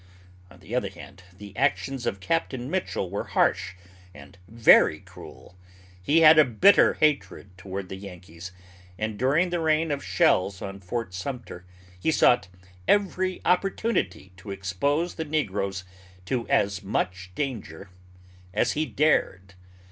On the other hand, the actions of Capt. Mitchell were harsh and very cruel. He had a bitter hatred toward the Yankees, and during the rain of shells on Fort Sumter, he sought every opportunity to expose the negroes to as much danger as he dared.